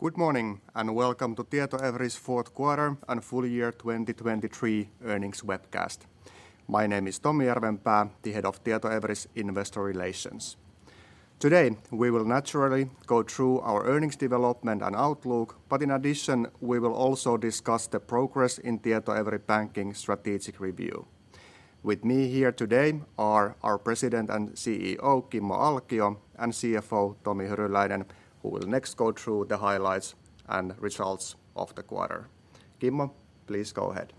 Good morning, and welcome to Tietoevry's fourth quarter and full year 2023 earnings webcast. My name is Tommi Järvenpää, the head of Tietoevry's Investor Relations. Today, we will naturally go through our earnings development and outlook, but in addition, we will also discuss the progress in Tietoevry Banking strategic review. With me here today are our President and CEO, Kimmo Alkio, and CFO, Tomi Hyryläinen, who will next go through the highlights and results of the quarter. Kimmo, please go ahead.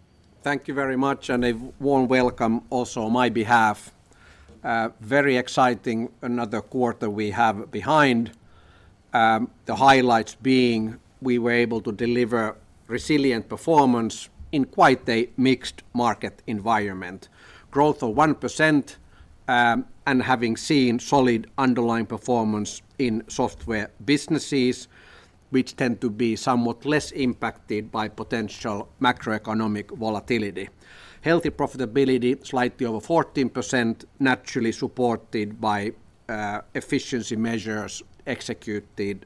Thank you very much, and a warm welcome also on my behalf. Very exciting, another quarter we have behind, the highlights being we were able to deliver resilient performance in quite a mixed market environment. Growth of 1%, and having seen solid underlying performance in software businesses, which tend to be somewhat less impacted by potential macroeconomic volatility. Healthy profitability, slightly over 14%, naturally supported by efficiency measures executed,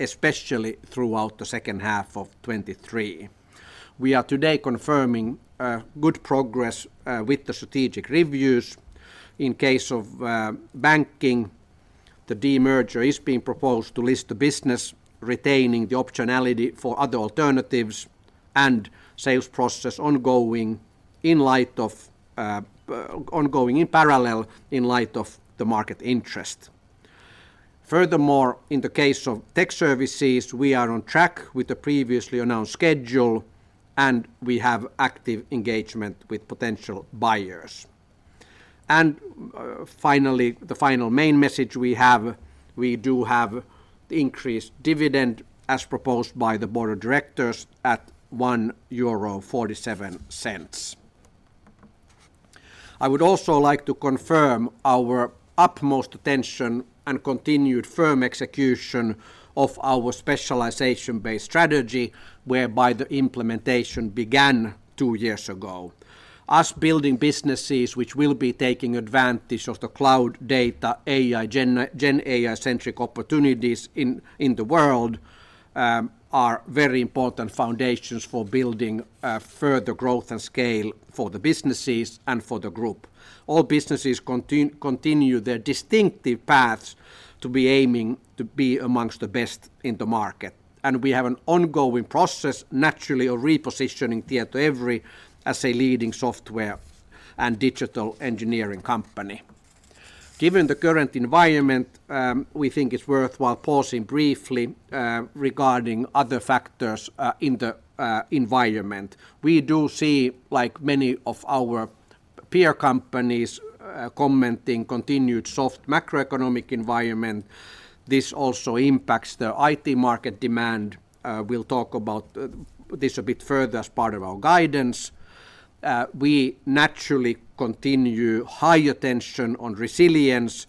especially throughout the second half of 2023. We are today confirming good progress with the strategic reviews. In case of Banking, the demerger is being proposed to list the business, retaining the optionality for other alternatives and sales process ongoing in light of, ongoing in parallel in light of the market interest. Furthermore, in the case of Tech Services, we are on track with the previously announced schedule, and we have active engagement with potential buyers. Finally, the final main message we have, we do have increased dividend, as proposed by the board of directors, at EUR 1.47. I would also like to confirm our utmost attention and continued firm execution of our specialization-based strategy, whereby the implementation began two years ago. Us building businesses which will be taking advantage of the cloud data, AI, GenAI-centric opportunities in the world are very important foundations for building further growth and scale for the businesses and for the group. All businesses continue their distinctive paths to be aiming to be amongst the best in the market, and we have an ongoing process, naturally, of repositioning Tietoevry as a leading software and digital engineering company. Given the current environment, we think it's worthwhile pausing briefly regarding other factors in the environment. We do see, like many of our peer companies, commenting continued soft macroeconomic environment. This also impacts the IT market demand. We'll talk about this a bit further as part of our guidance. We naturally continue high attention on resilience,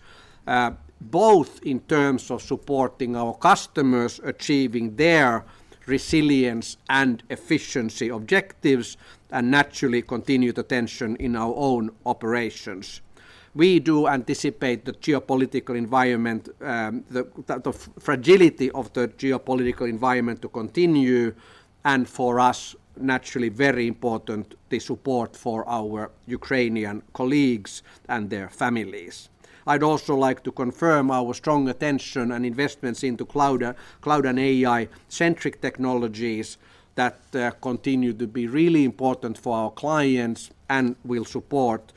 both in terms of supporting our customers achieving their resilience and efficiency objectives, and naturally, continued attention in our own operations. We do anticipate the geopolitical environment, the fragility of the geopolitical environment to continue, and for us, naturally, very important, the support for our Ukrainian colleagues and their families. I'd also like to confirm our strong attention and investments into cloud, cloud and AI-centric technologies that continue to be really important for our clients and will support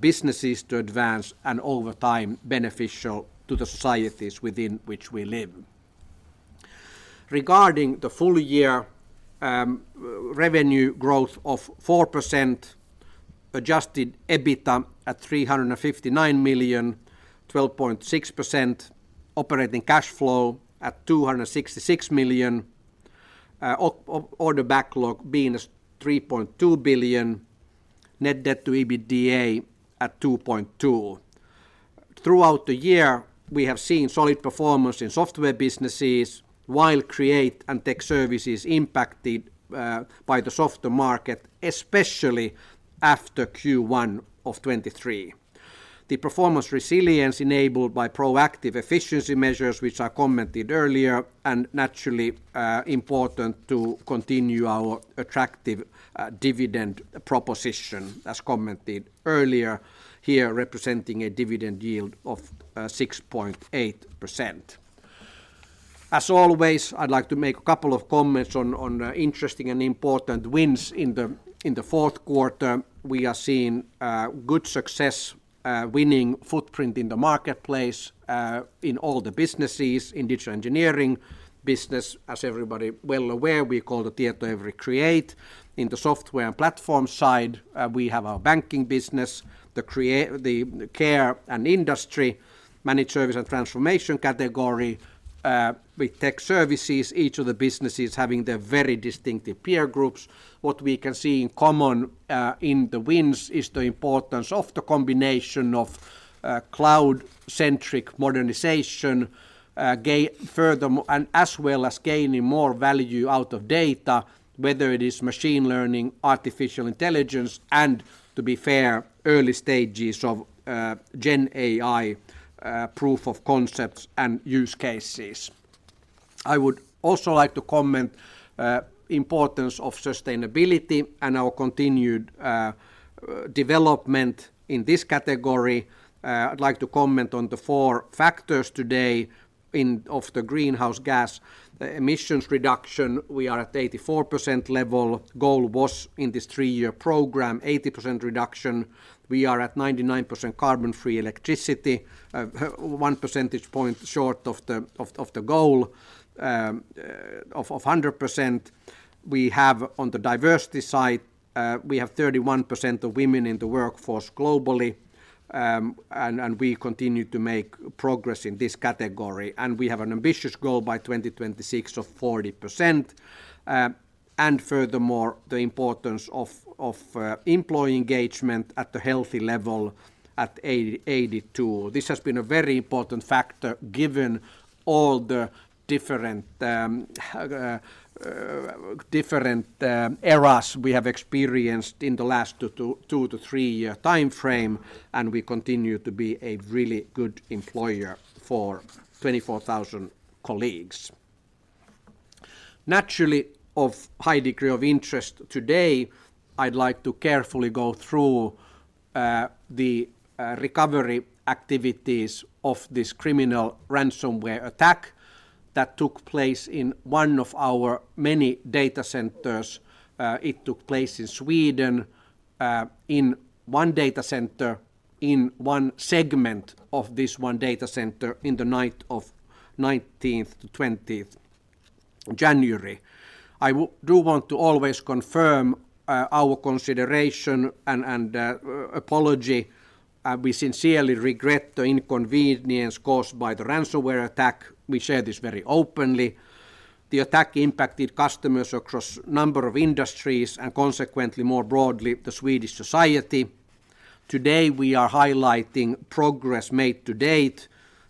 businesses to advance and, over time, beneficial to the societies within which we live. Regarding the full year, revenue growth of 4%, adjusted EBITDA at 359 million, 12.6%, operating cash flow at 266 million, order backlog being 3.2 billion, net debt to EBITDA at 2.2. Throughout the year, we have seen solid performance in software businesses, while Create and Tech Services impacted by the softer market, especially after Q1 of 2023. The performance resilience enabled by proactive efficiency measures, which I commented earlier, and naturally, important to continue our attractive, dividend proposition, as commented earlier here, representing a dividend yield of 6.8%. As always, I'd like to make a couple of comments on interesting and important wins in the... In the fourth quarter, we are seeing good success winning footprint in the marketplace in all the businesses. In digital engineering business, as everybody well aware, we call the Tietoevry Create. In the software and platform side, we have our Banking business, the Create, the Care and Industry, managed service and transformation category, with Tech Services, each of the businesses having their very distinctive peer groups. What we can see in common in the wins is the importance of the combination of cloud-centric modernization and as well as gaining more value out of data, whether it is machine learning, artificial intelligence, and to be fair, early stages of GenAI proof of concepts and use cases. I would also like to comment importance of sustainability and our continued development in this category. I'd like to comment on the four factors today of the greenhouse gas emissions reduction. We are at 84% level. Goal was, in this three-year program, 80% reduction. We are at 99% carbon-free electricity, one percentage point short of the goal of 100%. We have, on the diversity side, we have 31% of women in the workforce globally, and we continue to make progress in this category. We have an ambitious goal by 2026 of 40%. Furthermore, the importance of employee engagement at the healthy level at 82. This has been a very important factor, given all the different eras we have experienced in the last 2-3-year timeframe, and we continue to be a really good employer for 24,000 colleagues. Naturally, of high degree of interest today, I'd like to carefully go through the recovery activities of this criminal ransomware attack that took place in one of our many data centers. It took place in Sweden, in one data center, in one segment of this one data center, in the night of 19th to 20th January. I do want to always confirm our consideration and apology. We sincerely regret the inconvenience caused by the ransomware attack. We share this very openly. The attack impacted customers across a number of industries and consequently, more broadly, the Swedish society. Today, we are highlighting progress made to date.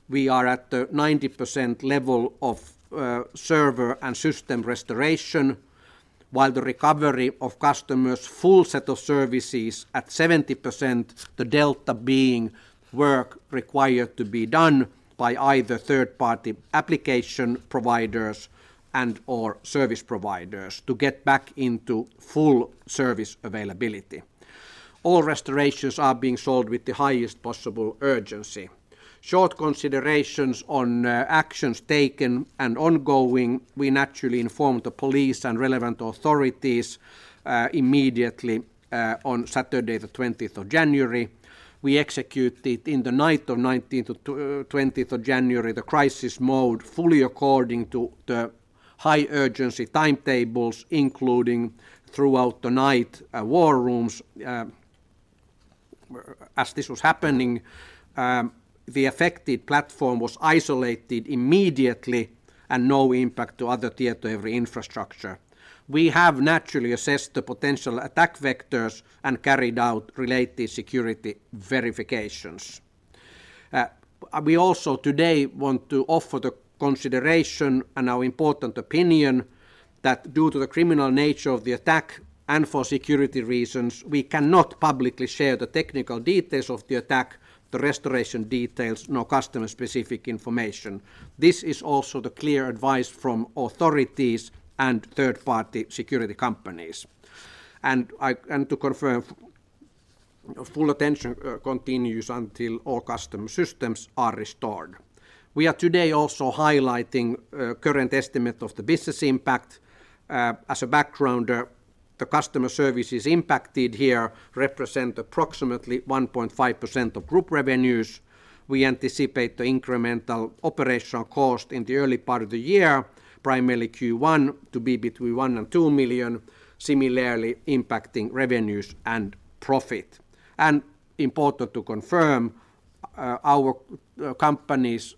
We are at the 90% level of server and system restoration, while the recovery of customers' full set of services at 70%, the delta being work required to be done by either third-party application providers and/or service providers to get back into full service availability. All restorations are being solved with the highest possible urgency. Short considerations on actions taken and ongoing, we naturally informed the police and relevant authorities immediately on Saturday, the 20th of January. We executed in the night of 19th to 20th of January the crisis mode, fully according to the high-urgency timetables, including throughout the night war rooms. As this was happening, the affected platform was isolated immediately, and no impact to other data centers or infrastructure. We have naturally assessed the potential attack vectors and carried out related security verifications. We also today want to offer the consideration and our important opinion that due to the criminal nature of the attack and for security reasons, we cannot publicly share the technical details of the attack, the restoration details, nor customer-specific information. This is also the clear advice from authorities and third-party security companies. To confirm, full attention continues until all customer systems are restored. We are today also highlighting current estimate of the business impact. As a background, the customer services impacted here represent approximately 1.5% of group revenues. We anticipate the incremental operational cost in the early part of the year, primarily Q1, to be between 1 million and 2 million, similarly impacting revenues and profit. Important to confirm, our company's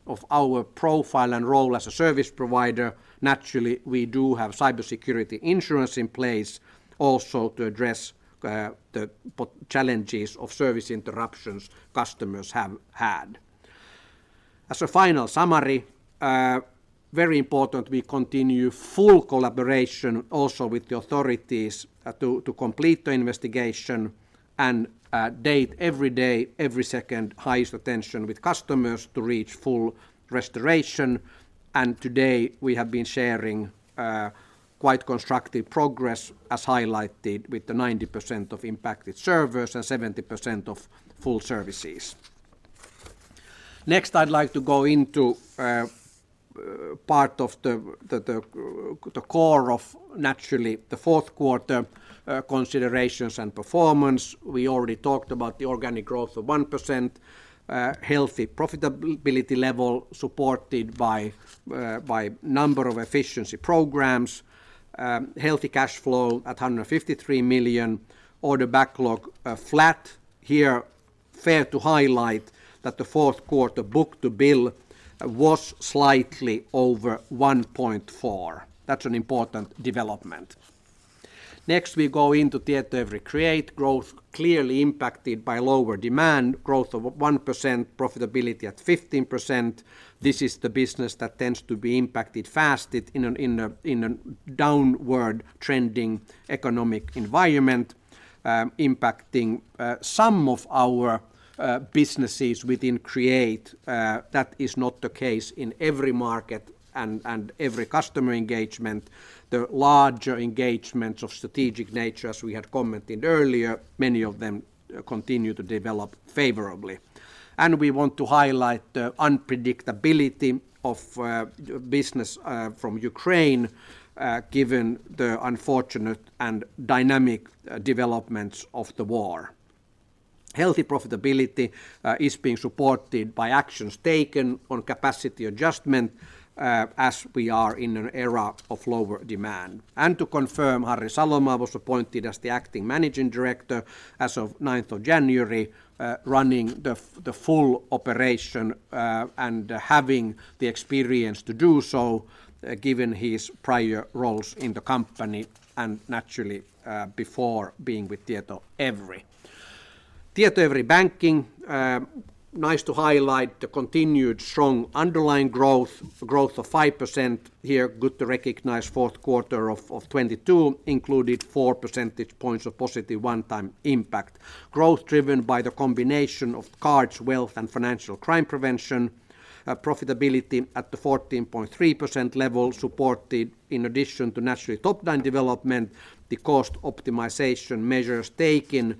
profile and role as a service provider, naturally, we do have cybersecurity insurance in place also to address the challenges of service interruptions customers have had. As a final summary, very important, we continue full collaboration also with the authorities to complete the investigation and dedicate every day, every second, highest attention with customers to reach full restoration. Today, we have been sharing quite constructive progress, as highlighted with the 90% of impacted servers and 70% of full services. Next, I'd like to go into part of the core of, naturally, the fourth quarter considerations and performance. We already talked about the organic growth of 1%, healthy profitability level, supported by by number of efficiency programs, healthy cash flow of 153 million, order backlog flat. Here, fair to highlight that the fourth quarter book-to-bill was slightly over 1.4. That's an important development. Next, we go into Tietoevry Create growth, clearly impacted by lower demand, growth of 1%, profitability at 15%. This is the business that tends to be impacted first in a downward-trending economic environment, impacting some of our businesses within Create. That is not the case in every market and every customer engagement. The larger engagements of strategic nature, as we had commented earlier, many of them continue to develop favorably. And we want to highlight the unpredictability of business from Ukraine given the unfortunate and dynamic developments of the war. Healthy profitability is being supported by actions taken on capacity adjustment as we are in an era of lower demand. And to confirm, Harri Salomaa was appointed as the acting managing director as of ninth of January, running the full operation, and having the experience to do so, given his prior roles in the company and naturally, before being with Tietoevry. Tietoevry Banking, nice to highlight the continued strong underlying growth, growth of 5%. Here, good to recognize fourth quarter of 2022 included four percentage points of positive one-time impact. Growth driven by the combination of cards, wealth, and financial crime prevention, profitability at the 14.3% level, supported in addition to naturally top-line development, the cost optimization measures taken,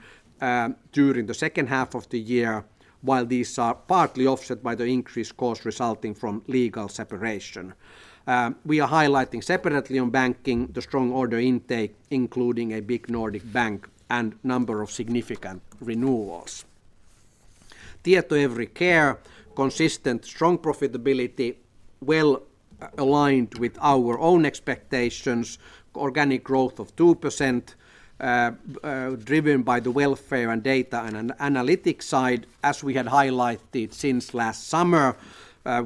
during the second half of the year, while these are partly offset by the increased cost resulting from legal separation. We are highlighting separately on Banking, the strong order intake, including a big Nordic bank and number of significant renewals. Tietoevry Care, consistent strong profitability, well aligned with our own expectations, organic growth of 2%, driven by the welfare and data and analytics side. As we had highlighted since last summer,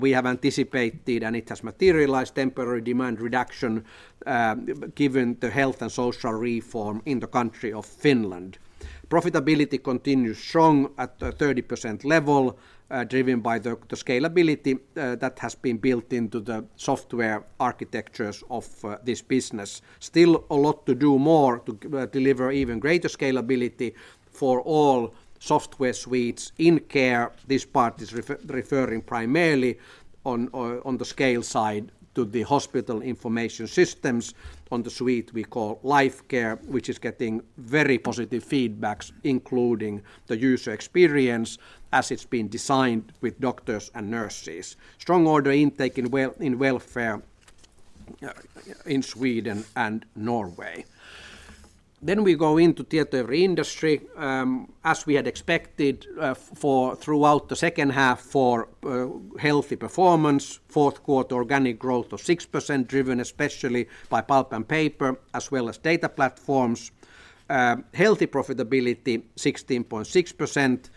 we have anticipated, and it has materialized temporary demand reduction, given the health and social reform in the country of Finland. Profitability continues strong at a 30% level, driven by the scalability that has been built into the software architectures of this business. Still a lot to do more to deliver even greater scalability for all software suites in care. This part is referring primarily on the Care side to the hospital information systems on the suite we call Lifecare, which is getting very positive feedbacks, including the user experience as it's been designed with doctors and nurses. Strong order intake in welfare in Sweden and Norway. Then we go into Tietoevry Industry, as we had expected throughout the second half, healthy performance, fourth quarter organic growth of 6%, driven especially by pulp and paper, as well as data platforms. Healthy profitability, 16.6%,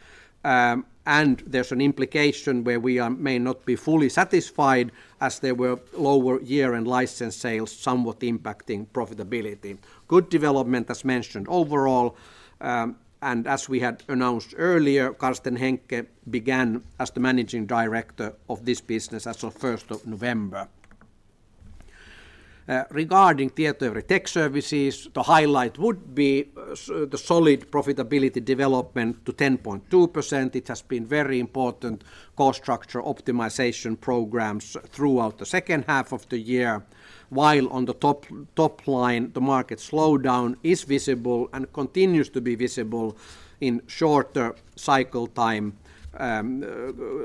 and there's an implication where we are may not be fully satisfied, as there were lower year-end license sales, somewhat impacting profitability. Good development, as mentioned overall, and as we had announced earlier, Carsten Henke began as the Managing Director of this business as of first of November. Regarding Tietoevry Tech Services, the highlight would be the solid profitability development to 10.2%. It has been very important cost structure optimization programs throughout the second half of the year, while on the top line, the market slowdown is visible and continues to be visible in shorter cycle time,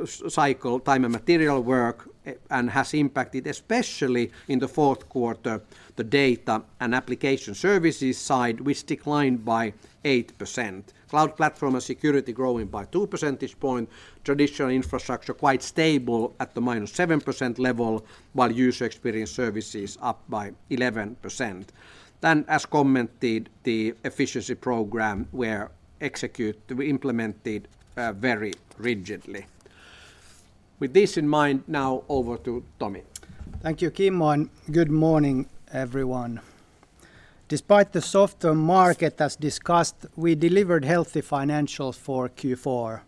cycle time and material work, and has impacted, especially in the fourth quarter, the data and application services side, which declined by 8%. Cloud platform and security growing by two percentage point, traditional infrastructure quite stable at the -7% level, while user experience services up by 11%. Then, as commented, the efficiency program were implemented very rigidly. With this in mind, now over to Tomi. Thank you, Kimmo, and good morning, everyone. Despite the softer market as discussed, we delivered healthy financials for Q4.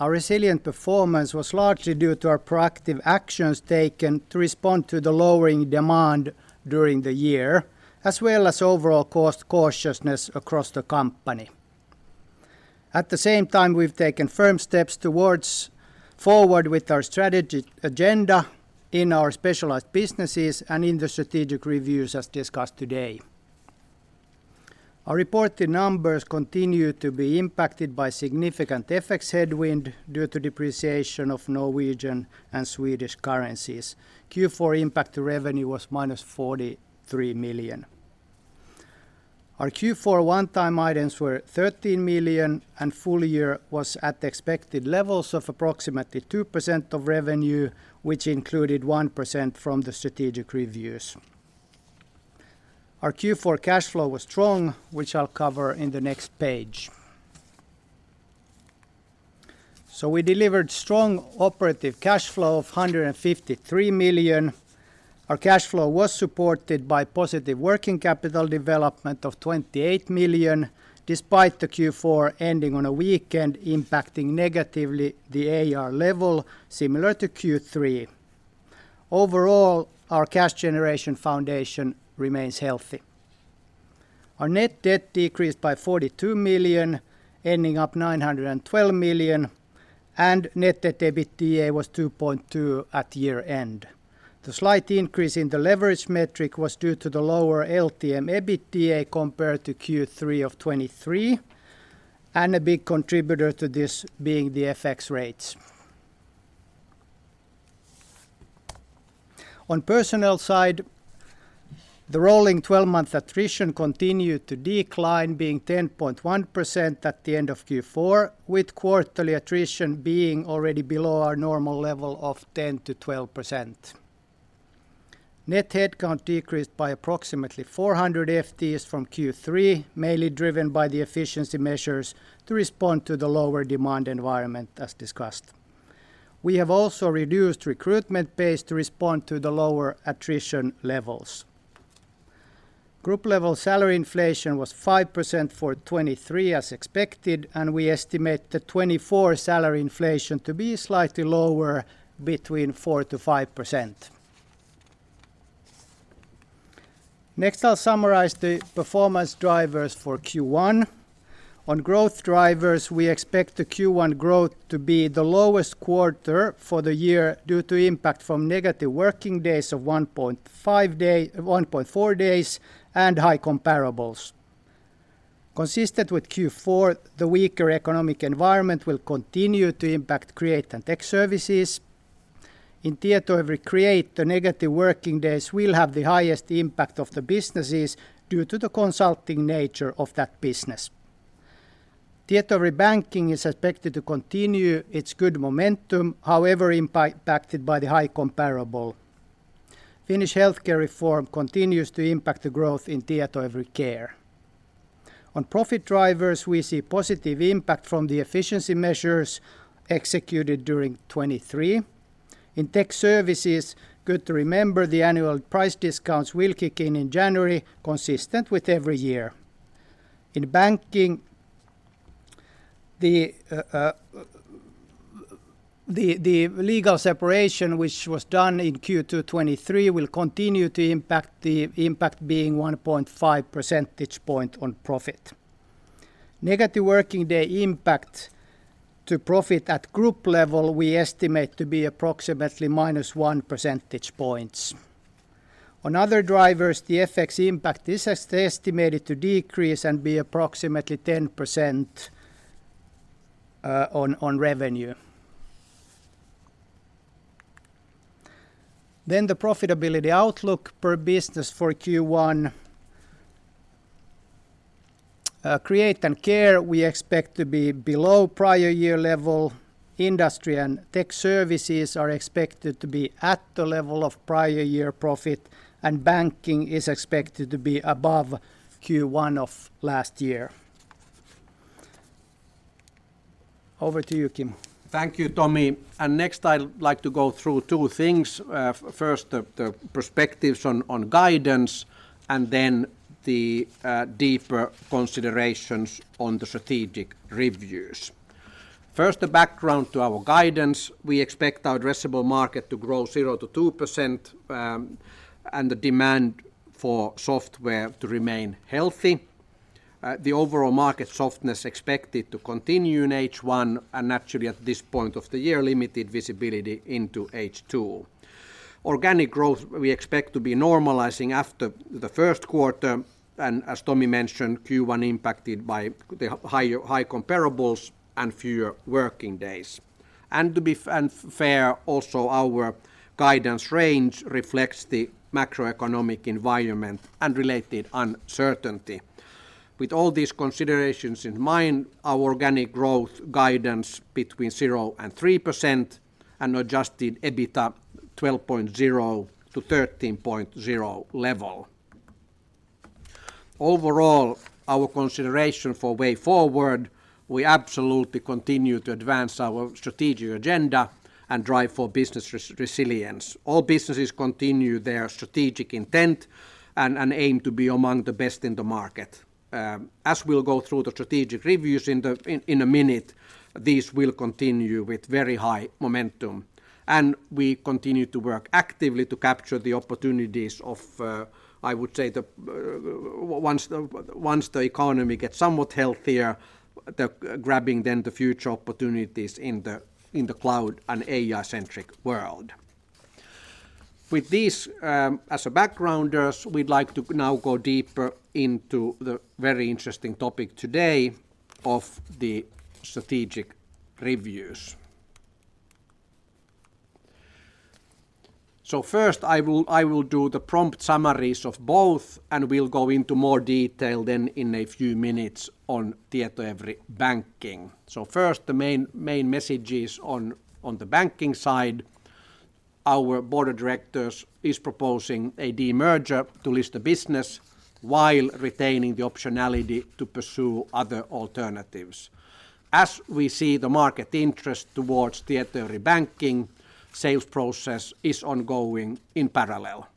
Our resilient performance was largely due to our proactive actions taken to respond to the lowering demand during the year, as well as overall cost cautiousness across the company. At the same time, we've taken firm steps towards forward with our strategy agenda in our specialized businesses and in the strategic reviews, as discussed today. Our reported numbers continue to be impacted by significant FX headwind due to depreciation of Norwegian and Swedish currencies. Q4 impact to revenue was -43 million. Our Q4 one-time items were 13 million, and full year was at the expected levels of approximately 2% of revenue, which included 1% from the strategic reviews. Our Q4 cash flow was strong, which I'll cover in the next page.... So we delivered strong operative cash flow of 153 million. Our cash flow was supported by positive working capital development of 28 million, despite the Q4 ending on a weekend, impacting negatively the AR level, similar to Q3. Overall, our cash generation foundation remains healthy. Our net debt decreased by 42 million, ending up 912 million, and net debt EBITDA was 2.2 at year-end. The slight increase in the leverage metric was due to the lower LTM EBITDA compared to Q3 of 2023, and a big contributor to this being the FX rates. On personnel side, the rolling twelve-month attrition continued to decline, being 10.1% at the end of Q4, with quarterly attrition being already below our normal level of 10%-12%. Net headcount decreased by approximately 400 FTEs from Q3, mainly driven by the efficiency measures to respond to the lower demand environment, as discussed. We have also reduced recruitment pace to respond to the lower attrition levels. Group-level salary inflation was 5% for 2023, as expected, and we estimate the 2024 salary inflation to be slightly lower, between 4%-5%. Next, I'll summarize the performance drivers for Q1. On growth drivers, we expect the Q1 growth to be the lowest quarter for the year due to impact from negative working days of 1.5 day-1.4 days and high comparables. Consistent with Q4, the weaker economic environment will continue to impact Create and Tech Services. In Tietoevry Create, the negative working days will have the highest impact of the businesses due to the consulting nature of that business. Tietoevry Banking is expected to continue its good momentum, however, impacted by the high comparable. Finnish healthcare reform continues to impact the growth in Tietoevry Care. On profit drivers, we see positive impact from the efficiency measures executed during 2023. In Tech Services, good to remember, the annual price discounts will kick in in January, consistent with every year. In Banking, the legal separation, which was done in Q2 2023, will continue to impact, the impact being 1.5 percentage point on profit. Negative working day impact to profit at group level, we estimate to be approximately minus 1 percentage points. On other drivers, the FX impact is estimated to decrease and be approximately 10%, on revenue. Then the profitability outlook per business for Q1. Create and Care, we expect to be below prior year level. Industry and Tech Services are expected to be at the level of prior year profit, and Banking is expected to be above Q1 of last year. Over to you, Kim. Thank you, Tomi. Next, I'd like to go through two things. First, the perspectives on guidance, and then the deeper considerations on the strategic reviews. First, the background to our guidance. We expect our addressable market to grow 0%-2%, and the demand for software to remain healthy. The overall market softness expected to continue in H1, and actually, at this point of the year, limited visibility into H2. Organic growth, we expect to be normalizing after the first quarter, and as Tomi mentioned, Q1 impacted by the high comparables and fewer working days. To be fair, also, our guidance range reflects the macroeconomic environment and related uncertainty. With all these considerations in mind, our organic growth guidance between 0% and 3% and Adjusted EBITDA 12.0-13.0 level. Overall, our consideration for way forward, we absolutely continue to advance our strategic agenda and drive for business resilience. All businesses continue their strategic intent and aim to be among the best in the market. As we'll go through the strategic reviews in a minute, these will continue with very high momentum, and we continue to work actively to capture the opportunities of, I would say, once the economy gets somewhat healthier, then grabbing the future opportunities in the cloud and AI-centric world. With this as a background, we'd like to now go deeper into the very interesting topic today of the strategic reviews. So first, I will do the prompt summaries of both, and we'll go into more detail then in a few minutes on Tietoevry Banking. So first, the main, main messages on, on the Banking side... our board of directors is proposing a demerger to list the business while retaining the optionality to pursue other alternatives. As we see the market interest towards Tietoevry Banking, sales process is ongoing in parallel.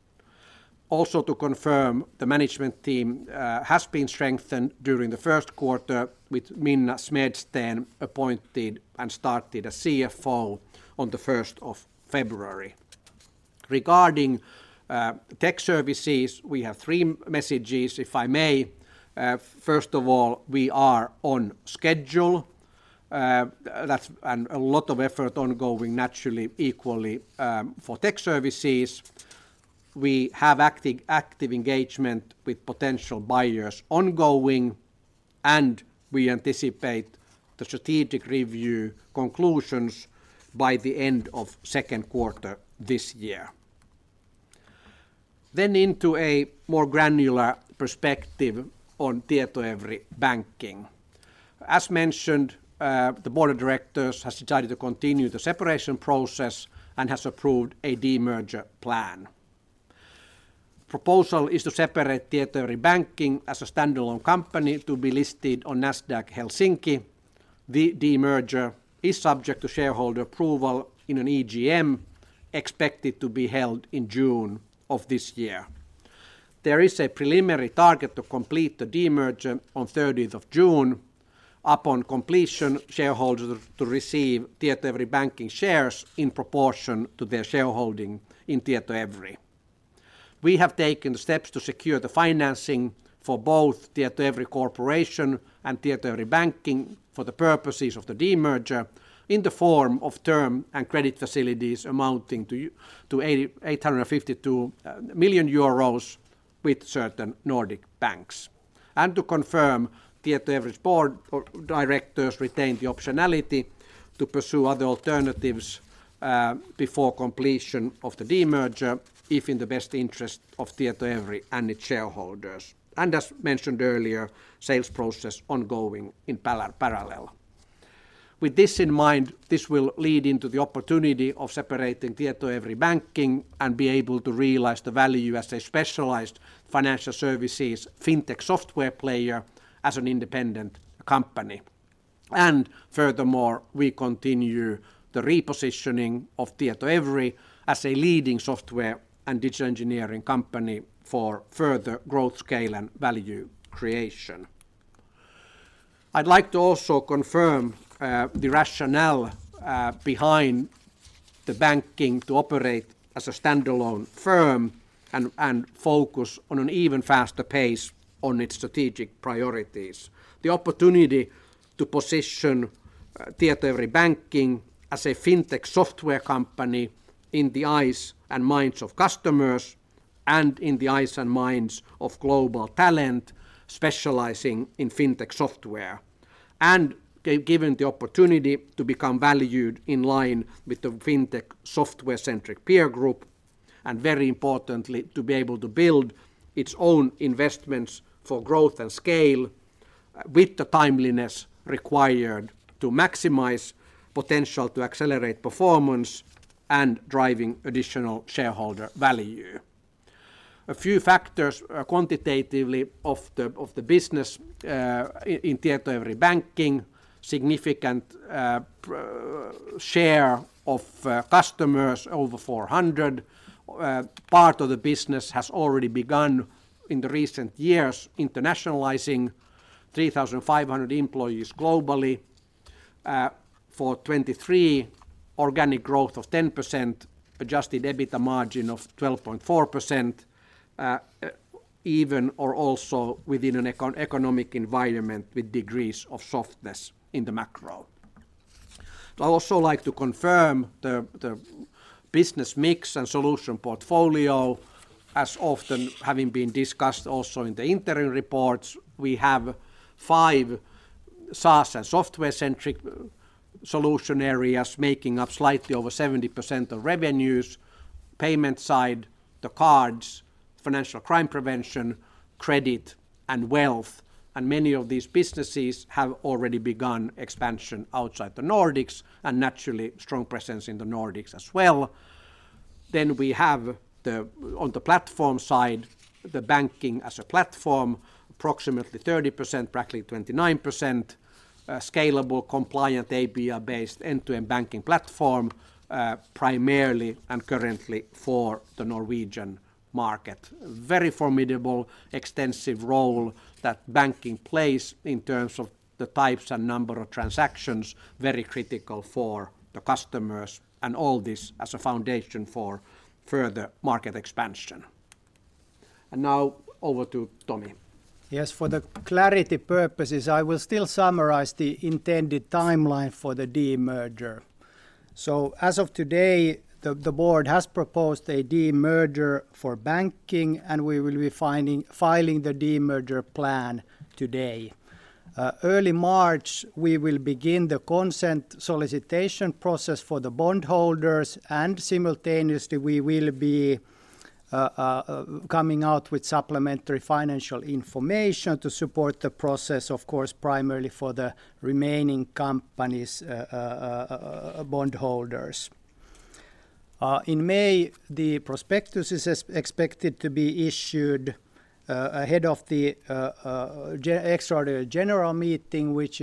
Also, to confirm, the management team has been strengthened during the first quarter with Minna Smedsten appointed and started as CFO on the first of February. Regarding Tech Services, we have three messages, if I may. First of all, we are on schedule. That's and a lot of effort ongoing naturally equally for Tech Services. We have active, active engagement with potential buyers ongoing, and we anticipate the strategic review conclusions by the end of second quarter this year. Then into a more granular perspective on Tietoevry Banking. As mentioned, the board of directors has decided to continue the separation process and has approved a demerger plan. Proposal is to separate Tietoevry Banking as a standalone company to be listed on Nasdaq Helsinki. The demerger is subject to shareholder approval in an EGM expected to be held in June of this year. There is a preliminary target to complete the demerger on thirtieth of June. Upon completion, shareholders to receive Tietoevry Banking shares in proportion to their shareholding in Tietoevry. We have taken steps to secure the financing for both Tietoevry Corporation and Tietoevry Banking for the purposes of the demerger in the form of term and credit facilities amounting to 852 million euros with certain Nordic banks. To confirm, Tietoevry's board of directors retain the optionality to pursue other alternatives before completion of the demerger, if in the best interest of Tietoevry and its shareholders. As mentioned earlier, sales process ongoing in parallel. With this in mind, this will lead into the opportunity of separating Tietoevry Banking and be able to realize the value as a specialized financial services fintech software player as an independent company. Furthermore, we continue the repositioning of Tietoevry as a leading software and digital engineering company for further growth, scale, and value creation. I'd like to also confirm the rationale behind the Banking to operate as a standalone firm and focus on an even faster pace on its strategic priorities. The opportunity to position Tietoevry Banking as a fintech software company in the eyes and minds of customers, and in the eyes and minds of global talent specializing in fintech software, and given the opportunity to become valued in line with the fintech software-centric peer group, and very importantly, to be able to build its own investments for growth and scale, with the timeliness required to maximize potential to accelerate performance and driving additional shareholder value. A few factors, quantitatively of the business in Tietoevry Banking: significant share of customers, over 400. Part of the business has already begun in the recent years, internationalizing 3,500 employees globally. For 2023, organic growth of 10%, adjusted EBITDA margin of 12.4%, even or also within an economic environment with degrees of softness in the macro. I'd also like to confirm the business mix and solution portfolio, as often having been discussed also in the interim reports. We have five SaaS and software-centric solution areas making up slightly over 70% of revenues, payment side, the cards, financial crime prevention, credit, and wealth. And many of these businesses have already begun expansion outside the Nordics, and naturally, strong presence in the Nordics as well. Then we have the on the platform side, the Banking as a platform, approximately 30%, practically 29%, scalable, compliant, API-based, end-to-end Banking platform, primarily and currently for the Norwegian market. Very formidable, extensive role that Banking plays in terms of the types and number of transactions, very critical for the customers, and all this as a foundation for further market expansion. And now, over to Tomi. Yes, for the clarity purposes, I will still summarize the intended timeline for the demerger. So as of today, the board has proposed a demerger for Banking, and we will be filing the demerger plan today. Early March, we will begin the consent solicitation process for the bondholders, and simultaneously, we will be coming out with supplementary financial information to support the process, of course, primarily for the remaining companies' bondholders. In May, the prospectus is expected to be issued ahead of the extraordinary general meeting, which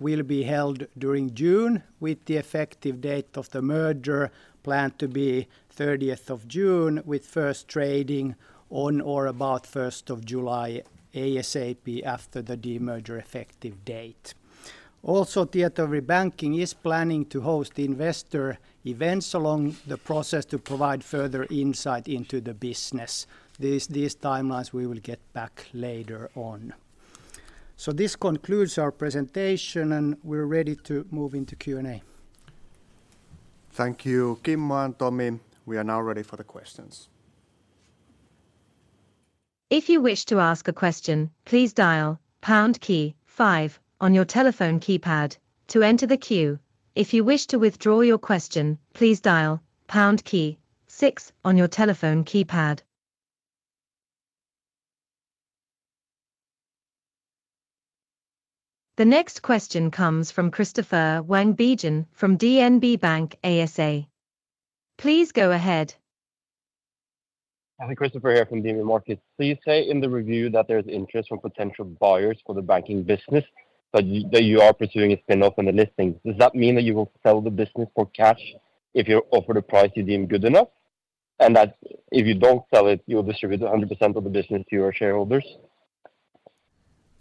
will be held during June, with the effective date of the merger planned to be thirtieth of June, with first trading on or about first of July, ASAP after the demerger effective date. Also, Tietoevry Banking is planning to host investor events along the process to provide further insight into the business. These timelines we will get back later on. This concludes our presentation, and we're ready to move into Q&A. Thank you, Kimmo and Tomi. We are now ready for the questions. If you wish to ask a question, please dial pound key five on your telephone keypad to enter the queue. If you wish to withdraw your question, please dial pound key six on your telephone keypad. The next question comes from Christoffer Wang Bjørnsen from DNB Bank ASA. Please go ahead. Hi, Christoffer here from DNB Markets. So you say in the review that there's interest from potential buyers for the Banking business, but that you are pursuing a spin-off on the listing. Does that mean that you will sell the business for cash if you're offered a price you deem good enough, and that if you don't sell it, you'll distribute 100% of the business to your shareholders?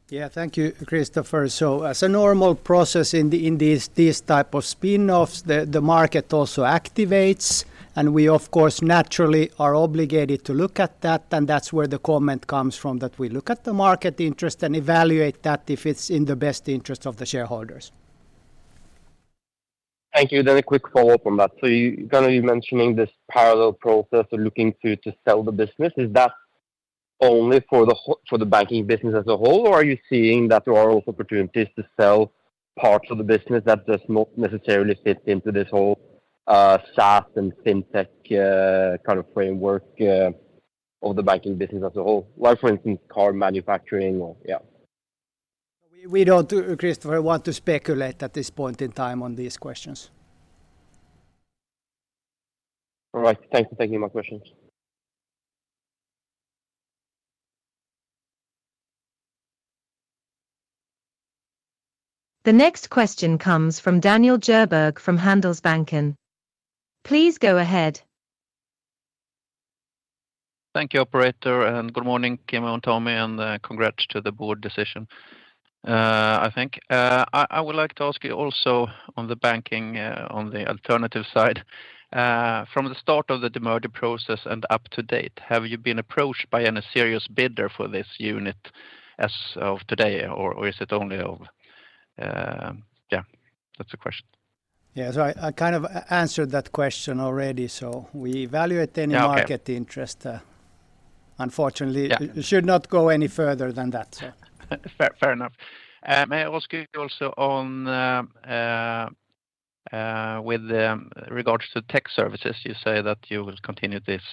Yeah, thank you, Christoffer. So as a normal process in these type of spin-offs, the market also activates, and we, of course, naturally are obligated to look at that, and that's where the comment comes from, that we look at the market interest and evaluate that if it's in the best interest of the shareholders. Thank you. Then a quick follow-up on that. So you're gonna be mentioning this parallel process of looking to, to sell the business. Is that only for the—for the Banking business as a whole, or are you seeing that there are also opportunities to sell parts of the business that does not necessarily fit into this whole, SaaS and fintech, kind of framework, of the Banking business as a whole? Like, for instance, car manufacturing or yeah. We don't, Christopher, want to speculate at this point in time on these questions. All right. Thank you for taking my questions. The next question comes from Daniel Djurberg from Handelsbanken. Please go ahead. Thank you, operator, and good morning, Kimmo and Tomi, and congrats to the board decision. I think I would like to ask you also on the Banking, on the alternative side, from the start of the demerger process and up to date, have you been approached by any serious bidder for this unit as of today, or is it only of... Yeah, that's the question. Yeah. So I kind of answered that question already. So we evaluate any- Okay... market interest, unfortunately- Yeah... it should not go any further than that, so. Fair, fair enough. May I ask you also on, with regards to Tech Services, you say that you will continue this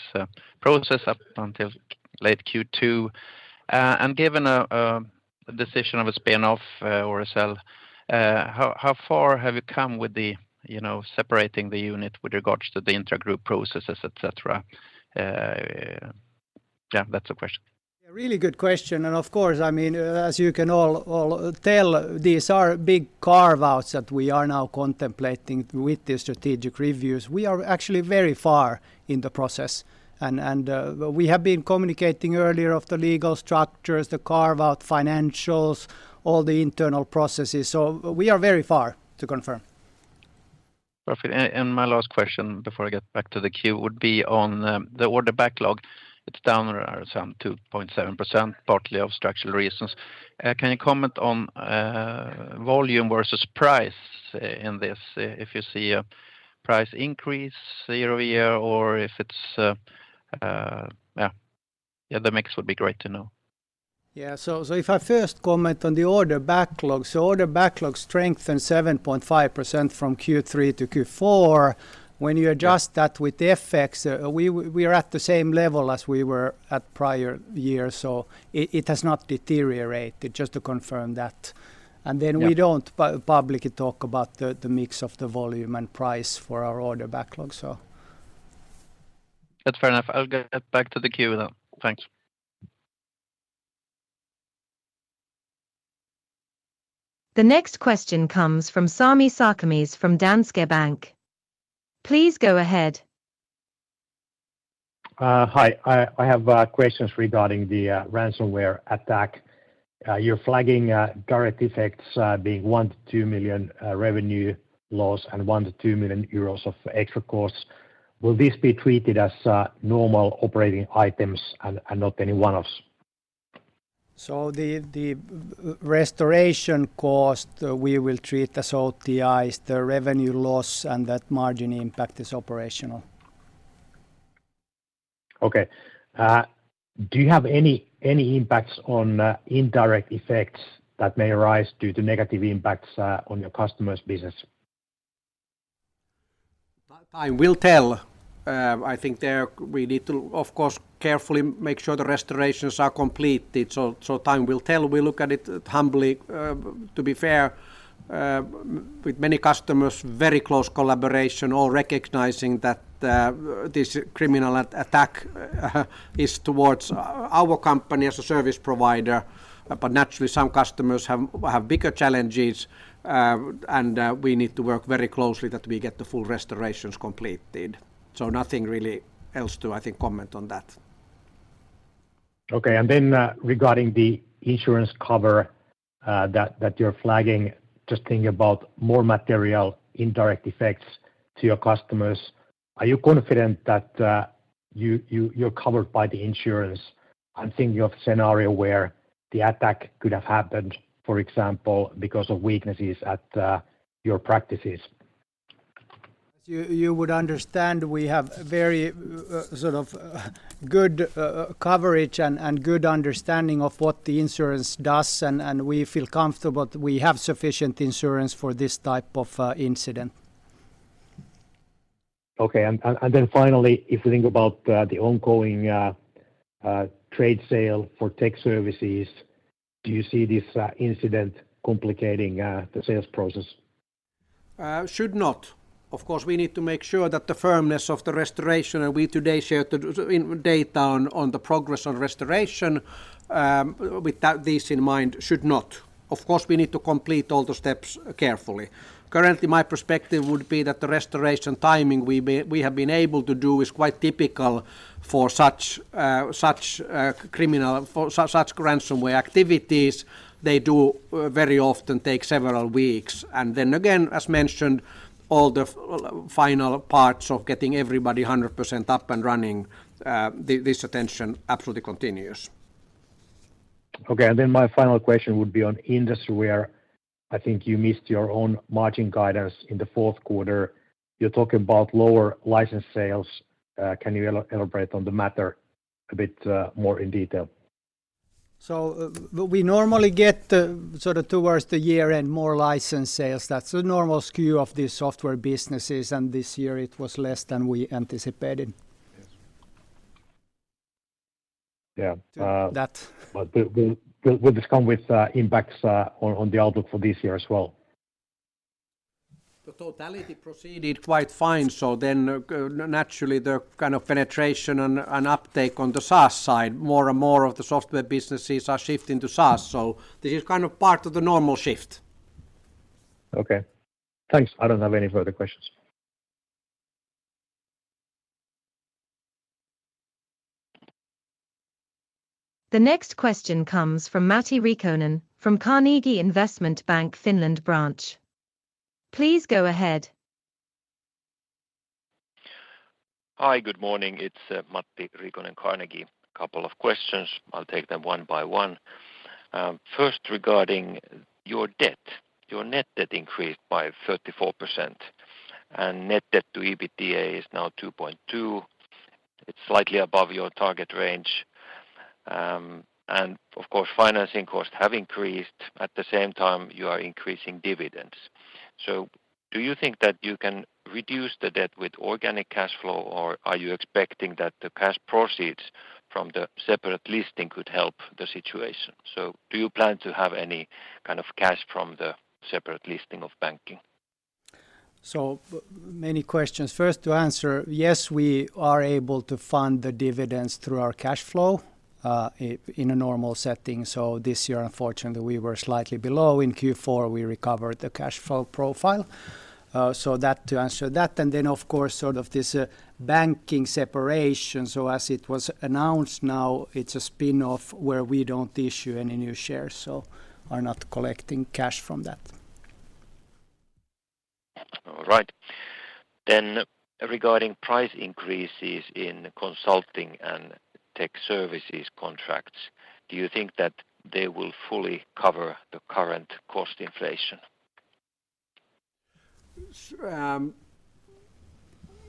process up until late Q2. And given a decision of a spin-off or a sell, how far have you come with the, you know, separating the unit with regards to the intra-group processes, et cetera? Yeah, that's the question. Yeah, really good question, and of course, I mean, as you can all, all tell, these are big carve-outs that we are now contemplating with the strategic reviews. We are actually very far in the process, and we have been communicating earlier of the legal structures, the carve-out financials, all the internal processes, so we are very far to confirm. Perfect. And, and my last question, before I get back to the queue, would be on the order backlog. It's down around some 2.7%, partly of structural reasons. Can you comment on volume versus price in this, if you see a price increase year over year, or if it's... Yeah, yeah, the mix would be great to know. Yeah. So, if I first comment on the order backlog, so order backlog strengthened 7.5% from Q3 to Q4. Yeah. When you adjust that with the effects, we are at the same level as we were at prior years. So it, it has not deteriorated, just to confirm that. Yeah. And then we don't publicly talk about the mix of the volume and price for our order backlog, so. That's fair enough. I'll get back to the queue then. Thanks. The next question comes from Sami Sarkamies from Danske Bank. Please go ahead. Hi, I have questions regarding the ransomware attack. You're flagging direct effects being 1-2 million revenue loss and 1-2 million euros of extra costs. Will this be treated as normal operating items and not any one-offs? The restoration cost, we will treat as OTIs. The revenue loss and that margin impact is operational. Okay. Do you have any impacts on indirect effects that may arise due to negative impacts on your customers' business? .Time will tell. I think there we need to, of course, carefully make sure the restorations are completed. So, time will tell. We look at it humbly, to be fair, with many customers, very close collaboration, all recognizing that, this criminal attack is towards our company as a service provider. But naturally, some customers have bigger challenges, and we need to work very closely that we get the full restorations completed. So nothing really else to, I think, comment on that. Okay. And then, regarding the insurance cover that you're flagging, just thinking about more material, indirect effects to your customers, are you confident that you're covered by the insurance? I'm thinking of a scenario where the attack could have happened, for example, because of weaknesses at your practices. As you would understand, we have very sort of good coverage and good understanding of what the insurance does, and we feel comfortable that we have sufficient insurance for this type of incident. Okay. And then finally, if you think about the ongoing trade sale for Tech Services, do you see this incident complicating the sales process? Should not. Of course, we need to make sure that the firmness of the restoration, and we today shared the incident data on, on the progress on restoration, with that in mind, should not. Of course, we need to complete all the steps carefully. Currently, my perspective would be that the restoration timing we have been able to do is quite typical for such criminal ransomware activities. They do very often take several weeks. And then again, as mentioned, all the final parts of getting everybody 100% up and running, this attention absolutely continues. Okay. And then my final question would be on industry, where I think you missed your own margin guidance in the fourth quarter. You're talking about lower license sales. Can you elaborate on the matter a bit, more in detail? So we normally get, sort of towards the year-end, more license sales. That's the normal skew of the software businesses, and this year it was less than we anticipated. Yes. Yeah. That- But will this come with impacts on the outlook for this year as well? The totality proceeded quite fine, so then, naturally, the kind of penetration and uptake on the SaaS side, more and more of the software businesses are shifting to SaaS. So this is kind of part of the normal shift. Okay. Thanks. I don't have any further questions. The next question comes from Matti Riikonen, from Carnegie Investment Bank, Finland Branch. Please go ahead. Hi, good morning. It's Matti Riikonen, Carnegie. Couple of questions. I'll take them one by one. First, regarding your debt. Your net debt increased by 34%, and net debt to EBITDA is now 2.2. It's slightly above your target range. And of course, financing costs have increased. At the same time, you are increasing dividends. So do you think that you can reduce the debt with organic cash flow, or are you expecting that the cash proceeds from the separate listing could help the situation? So do you plan to have any kind of cash from the separate listing of Banking? So many questions. First, to answer, yes, we are able to fund the dividends through our cash flow, in a normal setting. So this year, unfortunately, we were slightly below. In Q4, we recovered the cash flow profile. So that to answer that, and then, of course, sort of this, Banking separation. So as it was announced, now it's a spin-off where we don't issue any new shares, so are not collecting cash from that. All right. Then regarding price increases in consulting and Tech Services contracts, do you think that they will fully cover the current cost inflation?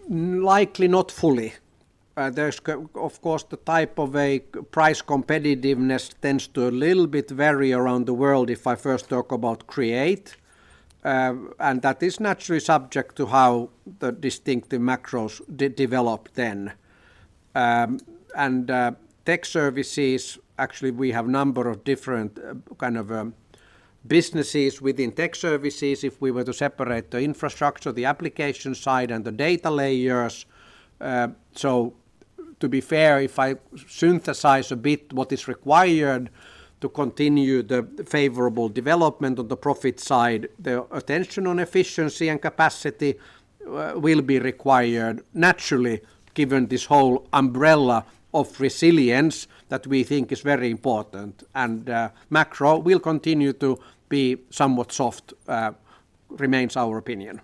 Likely not fully. There's of course the type of a price competitiveness tends to a little bit vary around the world, if I first talk about Create. And that is naturally subject to how the distinctive macros develop then. And Tech Services, actually, we have number of different kind of businesses within Tech Services if we were to separate the infrastructure, the application side, and the data layers. So to be fair, if I synthesize a bit what is required to continue the favorable development on the profit side, the attention on efficiency and capacity will be required. Naturally, given this whole umbrella of resilience that we think is very important, and macro will continue to be somewhat soft remains our opinion.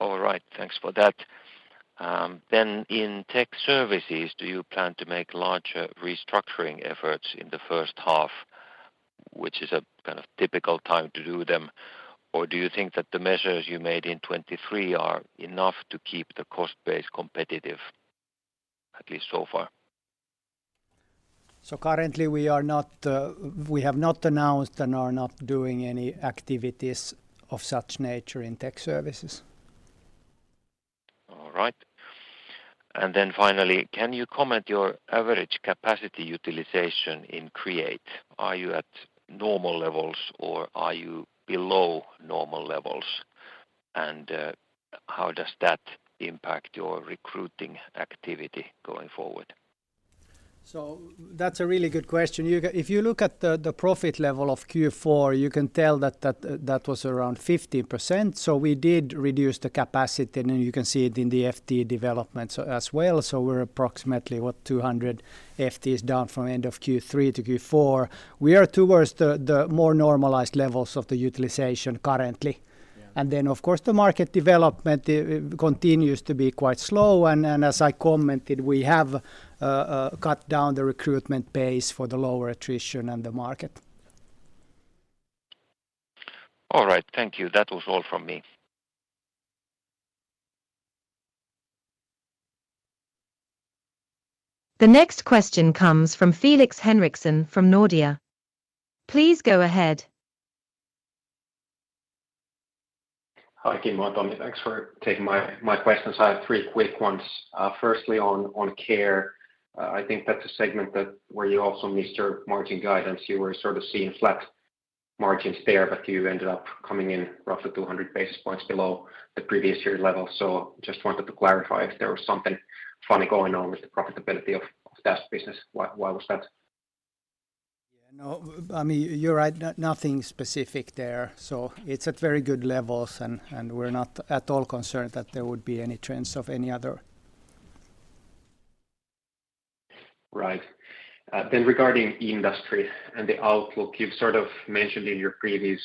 All right. Thanks for that. Then in Tech Services, do you plan to make larger restructuring efforts in the first half, which is a kind of typical time to do them, or do you think that the measures you made in 2023 are enough to keep the cost base competitive, at least so far?... So currently we are not, we have not announced and are not doing any activities of such nature in Tech Services. All right. And then finally, can you comment your average capacity utilization in Create? Are you at normal levels, or are you below normal levels? And, how does that impact your recruiting activity going forward? So that's a really good question. If you look at the profit level of Q4, you can tell that that was around 50%. So we did reduce the capacity, and you can see it in the FTE developments as well. So we're approximately, what? 200 FTE is down from end of Q3 to Q4. We are towards the more normalized levels of the utilization currently. Yeah. And then, of course, the market development continues to be quite slow, and as I commented, we have cut down the recruitment pace for the lower attrition on the market. All right. Thank you. That was all from me. The next question comes from Felix Henriksson from Nordea. Please go ahead. Hi, Kimmo and Tommi. Thanks for taking my questions. I have three quick ones. Firstly, on Care, I think that's a segment that where you also missed your margin guidance. You were sort of seeing flat margins there, but you ended up coming in roughly 200 basis points below the previous year level. So just wanted to clarify if there was something funny going on with the profitability of that business. Why was that? Yeah, no, I mean, you're right, nothing specific there. So it's at very good levels, and we're not at all concerned that there would be any trends of any other. Right. Then regarding industry and the outlook, you've sort of mentioned in your previous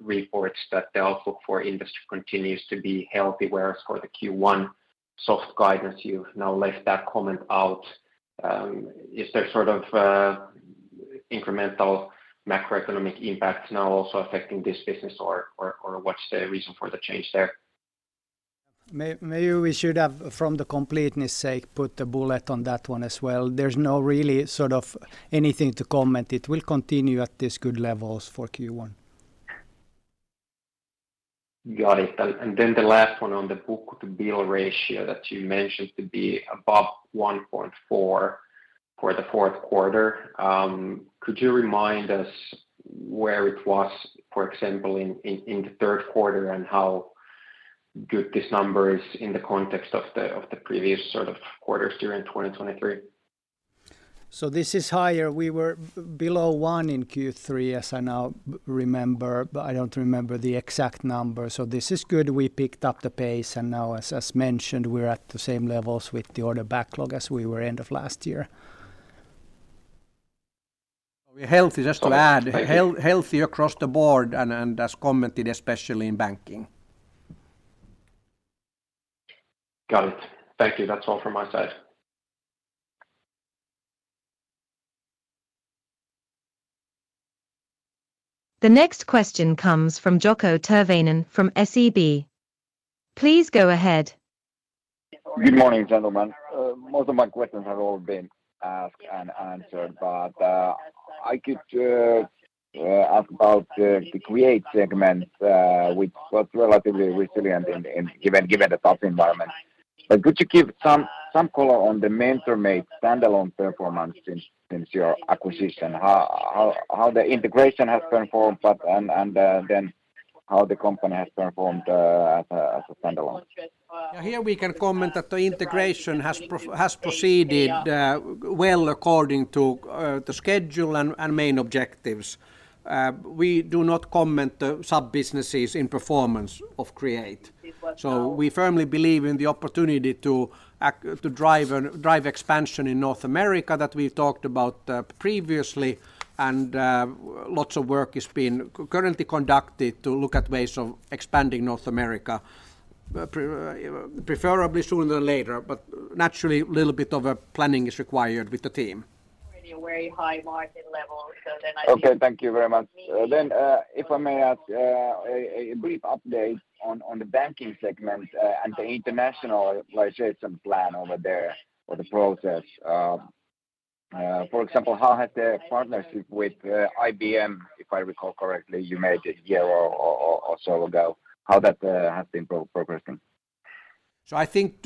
reports that the outlook for industry continues to be healthy, whereas for the Q1 soft guidance, you've now left that comment out. Is there sort of incremental macroeconomic impact now also affecting this business, or what's the reason for the change there? Maybe we should have, from the completeness sake, put a bullet on that one as well. There's no really sort of anything to comment. It will continue at this good levels for Q1. Got it. And then the last one on the book-to-bill ratio that you mentioned to be above 1.4 for the fourth quarter. Could you remind us where it was, for example, in the third quarter, and how good this number is in the context of the previous sort of quarters during 2023? So this is higher. We were below one in Q3, as I now remember, but I don't remember the exact number. So this is good. We picked up the pace, and now, as mentioned, we're at the same levels with the order backlog as we were end of last year. We're healthy, just to add. Okay, thank you.... healthy across the board and, as commented, especially in Banking. Got it. Thank you. That's all from my side. The next question comes from Jaakko Tyrväinen from SEB. Please go ahead. Good morning, gentlemen. Most of my questions have all been asked and answered, but I could ask about the Create segment, which was relatively resilient, given the tough environment. Could you give some color on the MentorMate standalone performance since your acquisition? How the integration has performed, and then how the company has performed as a standalone? Yeah, here we can comment that the integration has proceeded well according to the schedule and main objectives. We do not comment the sub-businesses in performance of Create. So we firmly believe in the opportunity to drive expansion in North America that we've talked about previously, and lots of work is being currently conducted to look at ways of expanding North America, preferably sooner than later, but naturally, little bit of a planning is required with the team. Pretty a very high margin level, so then I—Okay, thank you very much. Then, if I may ask, a brief update on the Banking segment, and the internationalization plan over there or the process. For example, how has the partnership with IBM, if I recall correctly, you made a year or so ago, how that has been progressing? So I think,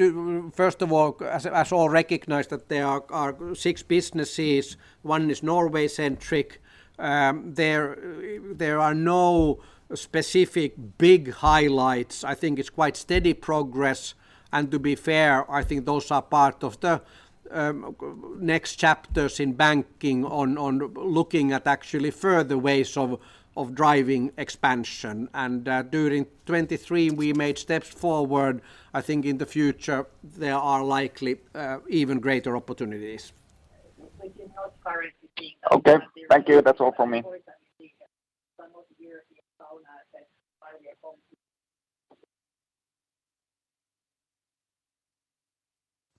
first of all, as all recognized, that there are six businesses, one is Norway-centric. There are no specific big highlights. I think it's quite steady progress, and to be fair, I think those are part of the next chapters in Banking on looking at actually further ways of driving expansion. And during 2023, we made steps forward. I think in the future, there are likely even greater opportunities. Okay, thank you. That's all from me. Some of the year here earlier on.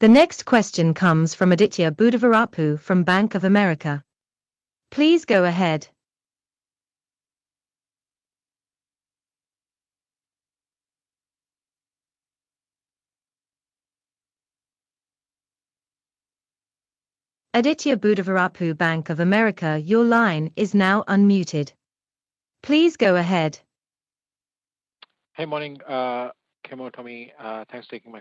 The next question comes from Aditya Buddhavarapu from Bank of America. Please go ahead. Aditya Buddhavarapu, Bank of America, your line is now unmuted. Please go ahead. Hey, morning, Kimmo, Tommi. Thanks for taking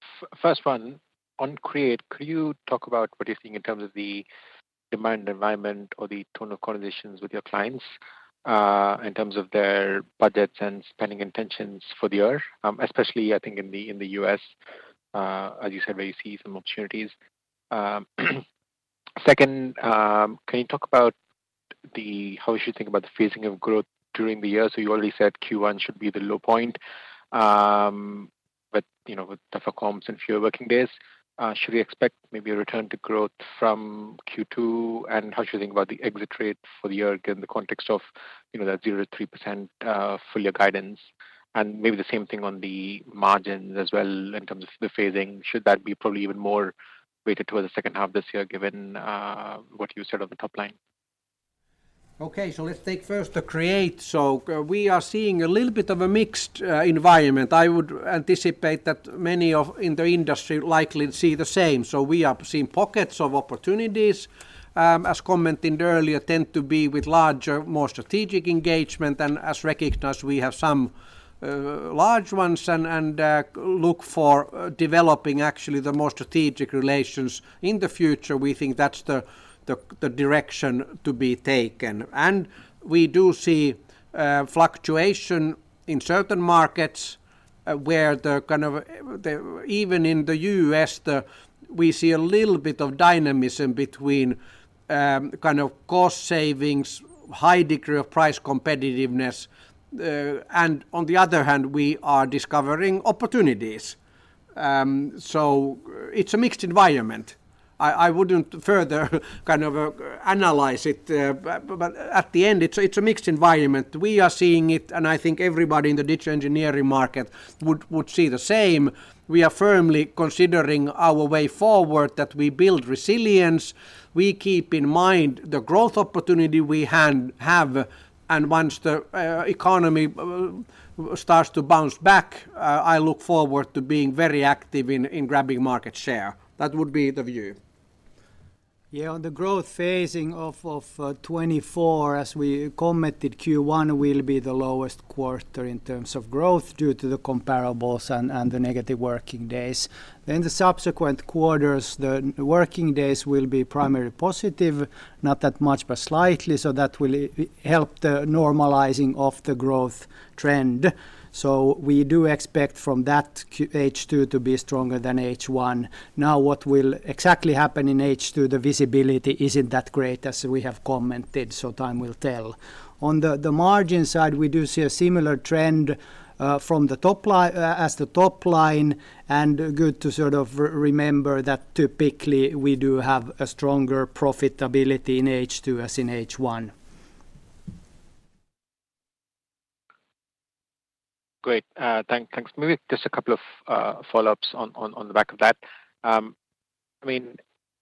my questions. First one, on Create, could you talk about what you think in terms of the demand environment or the tone of conversations with your clients, in terms of their budgets and spending intentions for the year, especially I think in the U.S., as you said, where you see some opportunities? Second, can you talk about how we should think about the phasing of growth during the year? So you already said Q1 should be the low point. But, you know, with tougher comps and fewer working days, should we expect maybe a return to growth from Q2? And how should you think about the exit rate for the year in the context of, you know, that 0%-3% full year guidance? Maybe the same thing on the margins as well in terms of the phasing. Should that be probably even more weighted towards the second half this year, given what you said on the top line? Okay, so let's take first the Create. So we are seeing a little bit of a mixed environment. I would anticipate that many in the industry likely see the same. So we are seeing pockets of opportunities, as commented earlier, tend to be with larger, more strategic engagement. And as recognized, we have some large ones and look for developing actually the more strategic relations in the future. We think that's the direction to be taken. And we do see fluctuation in certain markets, where the kind of. Even in the U.S., we see a little bit of dynamism between kind of cost savings, high degree of price competitiveness. And on the other hand, we are discovering opportunities. So it's a mixed environment. I wouldn't further kind of analyze it, but at the end, it's a mixed environment. We are seeing it, and I think everybody in the digital engineering market would see the same. We are firmly considering our way forward, that we build resilience. We keep in mind the growth opportunity we have, and once the economy starts to bounce back, I look forward to being very active in grabbing market share. That would be the view. Yeah, on the growth phasing of 2024, as we commented, Q1 will be the lowest quarter in terms of growth due to the comparables and the negative working days. Then the subsequent quarters, the working days will be primarily positive, not that much, but slightly, so that will help the normalizing of the growth trend. So we do expect from that H2 to be stronger than H1. Now, what will exactly happen in H2, the visibility isn't that great, as we have commented, so time will tell. On the margin side, we do see a similar trend from the top line as the top line, and good to remember that typically we do have a stronger profitability in H2 as in H1. Great. Thanks. Maybe just a couple of follow-ups on the back of that. I mean,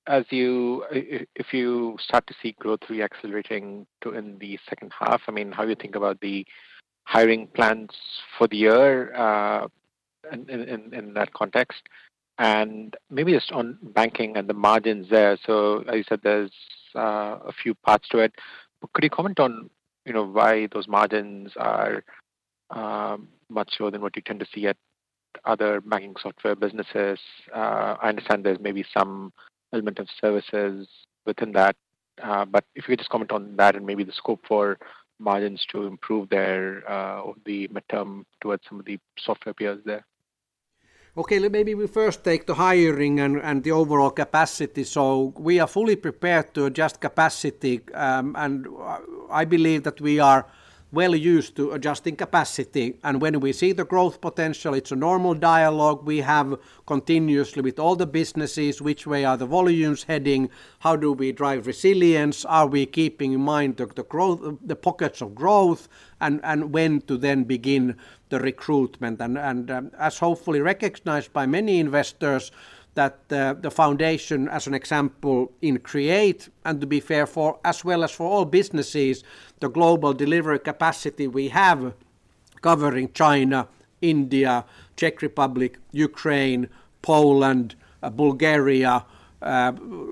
as you... if you start to see growth re-accelerating in the second half, I mean, how do you think about the hiring plans for the year, in that context? And maybe just on Banking and the margins there. So as you said, there's a few parts to it, but could you comment on, you know, why those margins are much lower than what you tend to see at other Banking software businesses? I understand there's maybe some element of services within that, but if you could just comment on that and maybe the scope for margins to improve there, over the midterm towards some of the software peers there. Okay, let maybe we first take the hiring and, and the overall capacity. So we are fully prepared to adjust capacity, I believe that we are well used to adjusting capacity. And when we see the growth potential, it's a normal dialogue we have continuously with all the businesses: Which way are the volumes heading? How do we drive resilience? Are we keeping in mind the pockets of growth, and when to then begin the recruitment? And as hopefully recognized by many investors, that the foundation, as an example, in Create, and to be fair, for as well as for all businesses, the global delivery capacity we have covering China, India, Czech Republic, Ukraine, Poland, Bulgaria,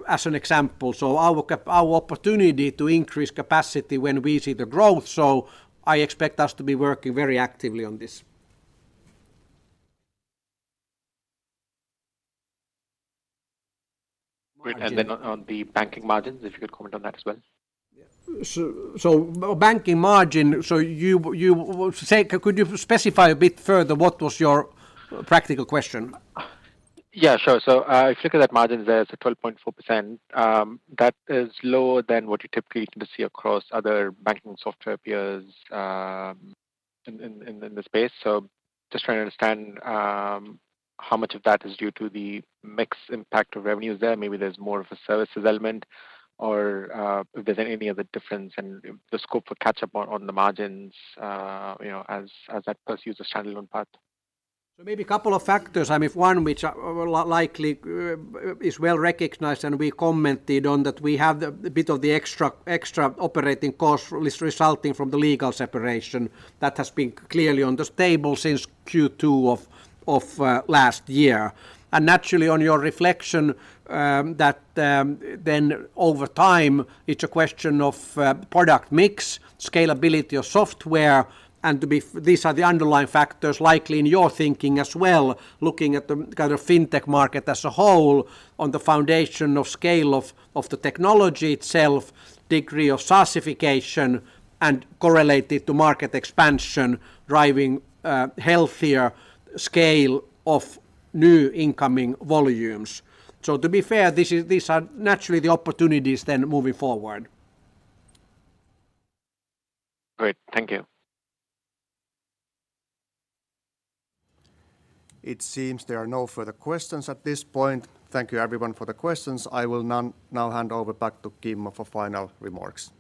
as an example, so our opportunity to increase capacity when we see the growth.I expect us to be working very actively on this. Great. And then on the Banking margins, if you could comment on that as well. Yeah. So Banking margin, so you would say... Could you specify a bit further what was your practical question? Yeah, sure. So, if you look at that margin there, it's at 12.4%. That is lower than what you typically tend to see across other Banking software peers in the space. So just trying to understand how much of that is due to the mix impact of revenues there. Maybe there's more of a services element or if there's any other difference in the scope for catch-up on the margins, you know, as that pursues a standalone path. So maybe a couple of factors. I mean, one which are likely is well recognized, and we commented on that we have the bit of the extra operating costs resulting from the legal separation. That has been clearly on the table since Q2 of last year. And naturally, on your reflection, that then over time, it's a question of product mix, scalability of software, and to be... These are the underlying factors likely in your thinking as well, looking at the kind of fintech market as a whole on the foundation of scale of the technology itself, degree of SaaSification, and correlated to market expansion, driving healthier scale of new incoming volumes. So to be fair, these are naturally the opportunities then moving forward. Great. Thank you. It seems there are no further questions at this point. Thank you, everyone, for the questions. I will now hand over back to Kimmo for final remarks.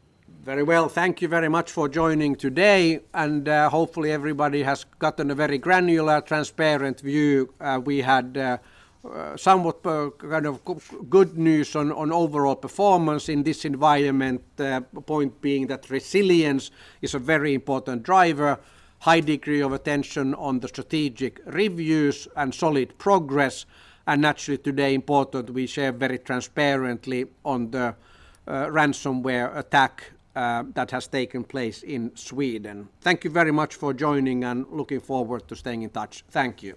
Very well. Thank you very much for joining today, and hopefully, everybody has gotten a very granular, transparent view. We had somewhat kind of good news on overall performance in this environment. The point being that resilience is a very important driver, high degree of attention on the strategic reviews, and solid progress, and naturally, today, important we share very transparently on the ransomware attack that has taken place in Sweden. Thank you very much for joining, and looking forward to staying in touch. Thank you.